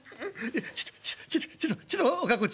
ちょっとちょっとちょっとちょっとおっかあこっち」。